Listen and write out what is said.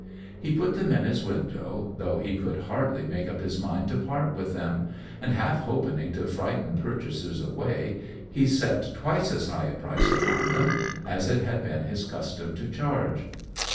He put them in his window, though he could hardly make up his mind to part with them, and, half hoping to frighten purchasers away, he set twice as high a price upon them as it had been his custom to charge.